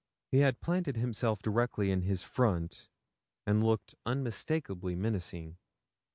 He had planted himself directly in his front, and looked unmistakably menacing.